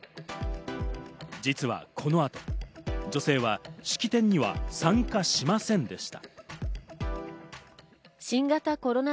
実はこの後、女性は式典には参加しませんでした。